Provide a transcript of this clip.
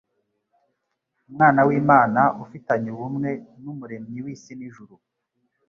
Umwana w'Imana ufitanye ubumwe n'Umuremyi w'isi n'ijuru.